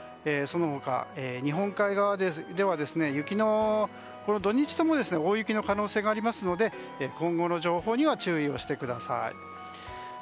その他、日本海側では土日とも大雪の可能性がありますので今後の情報には注意をしてください。